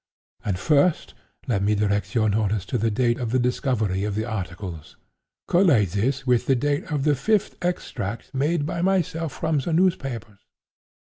And, first, let me direct your notice to the date of the discovery of the articles. Collate this with the date of the fifth extract made by myself from the newspapers.